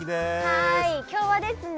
はい今日はですね